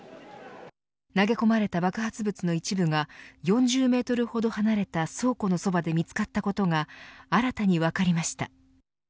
投げ込まれた爆発物の一部が４０メートルほど離れた倉庫のそばで見つかったことが新たに分かりました。